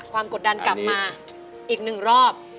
กดดันกลับมาอีกหนึ่งรอบ